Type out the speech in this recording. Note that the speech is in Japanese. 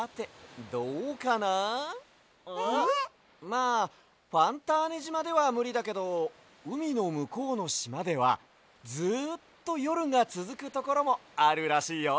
まあファンターネじまではむりだけどうみのむこうのしまではずっとよるがつづくところもあるらしいよ！